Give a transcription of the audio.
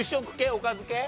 おかず系？